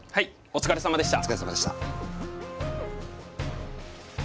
お疲れさまでした。